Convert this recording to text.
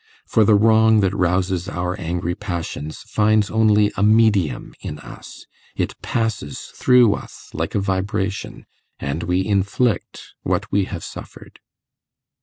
For the wrong that rouses our angry passions finds only a medium in us; it passes through us like a vibration, and we inflict what we have suffered.